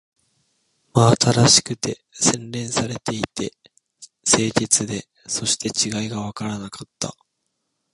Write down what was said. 真新しくて、洗練されていて、清潔で、そして違いがわからなかった